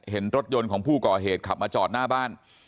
เห็นรถยนต์ของผู้ก่อเหตุขับมาจอดหน้าบ้าน